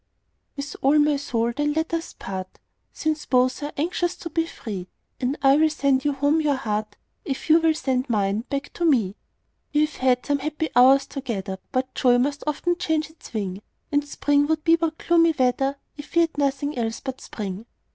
With all my soul, then, let us part, Since both are anxious to be free; And I will sand you home your heart, If you will send mine back to me. We've had some happy hours together, But joy must often change its wing; And spring would be but gloomy weather, If we had nothing else but spring.